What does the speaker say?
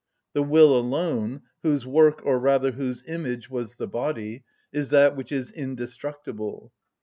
The will alone, whose work, or rather whose image was the body, is that which is indestructible.